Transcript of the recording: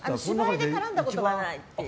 芝居で絡んだことがないっていう。